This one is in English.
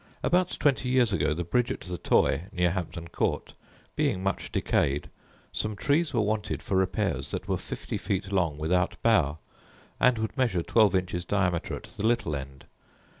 About twenty years ago the bridge at the Toy, near Hampton court, being much decayed, some trees were wanted for the repairs that were fifty feet long without bough, and would measure twelve inches diameter at the little end.